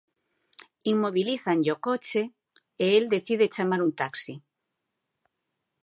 Inmobilízanlle o coche e el decide chamar un taxi.